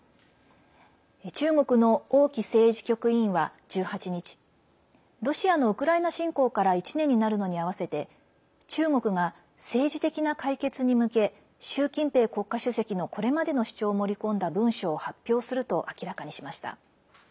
中国の王毅政治局委員は１８日ロシアのウクライナ侵攻から１年になるのに合わせて中国が政治的な解決に向け習近平国家主席のこれまでの主張を盛り込んだ文書を発表すると明らかにしました。